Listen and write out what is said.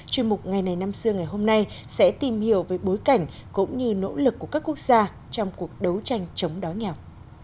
chuyên mục ngày này năm xưa ngày hôm nay sẽ tìm hiểu về bối cảnh cũng như nỗ lực của các quốc gia trong cuộc đấu tranh chống đói nghèo